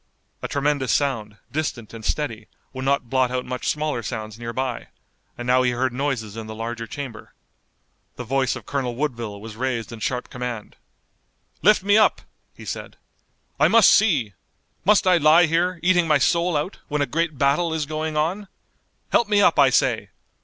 A tremendous sound, distant and steady, would not blot out much smaller sounds nearby, and now he heard noises in the larger chamber. The voice of Colonel Woodville was raised in sharp command. "Lift me up!" he said, "I must see! Must I lie here, eating my soul out, when a great battle is going on! Help me up, I say!